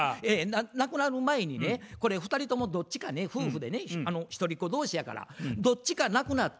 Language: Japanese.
亡くなる前にねこれ２人ともどっちかね夫婦でね一人っ子同士やからどっちか亡くなったら。